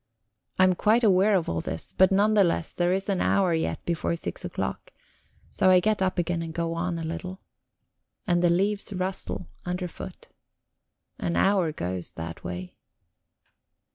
I am quite aware of all this, but none the less there is an hour yet before six o'clock, so I get up again and go on a little. And the leaves rustle under foot. An hour goes that way.